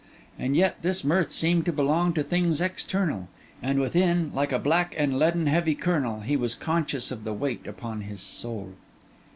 And yet this mirth seemed to belong to things external; and within, like a black and leaden heavy kernel, he was conscious of the weight upon his soul.